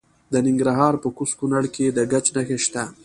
د ننګرهار په کوز کونړ کې د ګچ نښې شته.